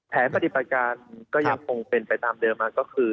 แผนปฏิบัติการก็ยังคงเป็นไปตามเดิมมาก็คือ